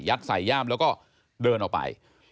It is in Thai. ใส่ย่ามแล้วก็เดินออกไป